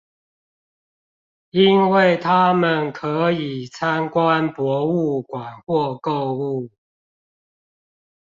因為他們可以參觀博物館或購物